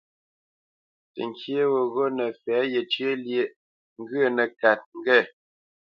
Təŋkyé weghó nə́ fɛ̌ yencyə̂ lyêʼ ŋgwə nə́kát ŋge.